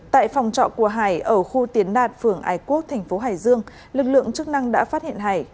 tại phòng trọ của hải ở khu tiến đạt phường ái quốc thành phố hải dương lực lượng chức năng đã phát hiện hải